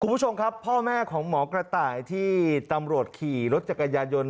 คุณผู้ชมครับพ่อแม่ของหมอกระต่ายที่ตำรวจขี่รถจักรยานยนต์